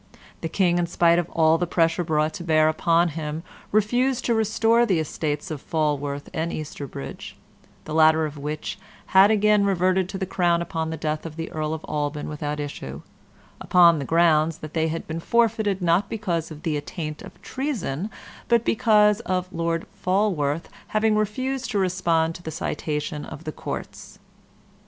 The King, in spite of all the pressure brought to bear upon him, refused to restore the estates of Falworth and Easterbridge the latter of which had again reverted to the crown upon the death of the Earl of Alban without issue upon the grounds that they had been forfeited not because of the attaint of treason, but because of Lord Falworth having refused to respond to the citation of the courts.